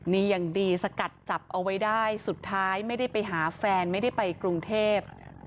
นี่ยังดีสกัดจับเอาไว้ได้สุดท้ายไม่ได้ไปหาแฟนไม่ได้ไปกรุงเทพ